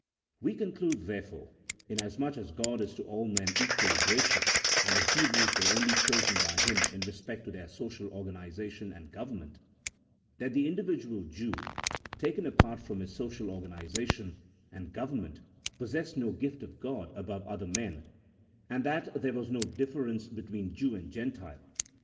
We conclude, therefore (inasmuch as God is to all men equally gracious, and the Hebrews were only chosen by Him in re spect to their social organization and government), that the individual Jew, taken apart from his social organization and government, possessed no gift of God above other men, and that there was no difference between Jew and Gentile.